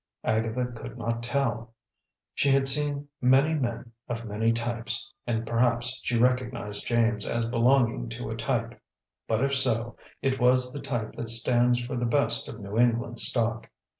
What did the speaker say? Agatha could not tell. She had seen many men of many types, and perhaps she recognized James as belonging to a type; but if so, it was the type that stands for the best of New England stock.